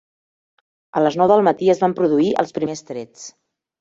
A les nou del matí es van produir els primers trets.